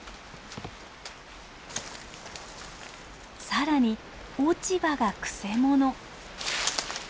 さらに落ち葉がくせ者。